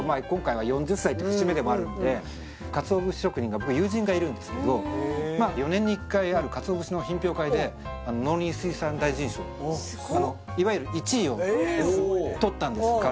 今回は４０歳という節目でもあるんで鰹節職人が僕友人がいるんですけど４年に１回ある鰹節の品評会で農林水産大臣賞をいわゆる１位をとったんです